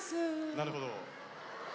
なるほど。